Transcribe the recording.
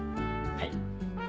はい。